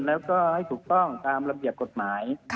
แล้วก็ให้ถูกต้องตามระเบียบกฎหมาย